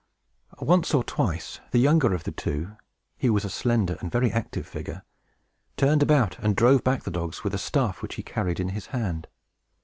Once or twice, the younger of the two men (he was a slender and very active figure) turned about and drove back the dogs with a staff which he carried in his hand.